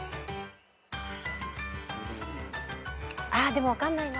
でも分かんないな。